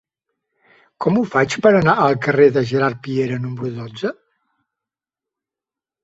Com ho faig per anar al carrer de Gerard Piera número dotze?